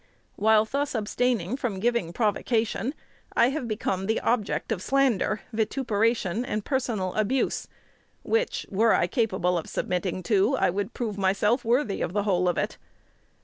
Whilst thus abstaining from giving provocation, I have become the object of slander, vituperation, and personal abuse, which, were I capable of submitting to, I would prove myself worthy of the whole of it.